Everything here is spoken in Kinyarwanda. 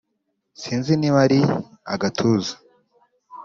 Sinzi niba ari agatuza.